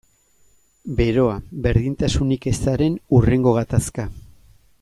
Beroa, berdintasunik ezaren hurrengo gatazka.